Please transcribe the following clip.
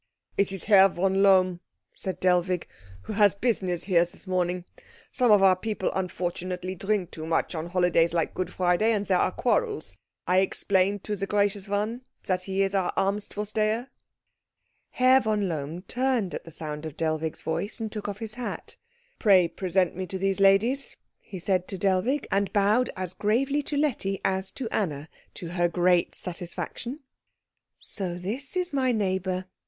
"It is Herr von Lohm," said Dellwig, "who has business here this morning. Some of our people unfortunately drink too much on holidays like Good Friday, and there are quarrels. I explained to the gracious one that he is our Amtsvorsteher." Herr von Lohm turned at the sound of Dellwig's voice, and took off his hat. "Pray present me to these ladies," he said to Dellwig, and bowed as gravely to Letty as to Anna, to her great satisfaction. "So this is my neighbour?"